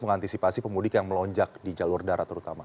mengantisipasi pemudik yang melonjak di jalur darat terutama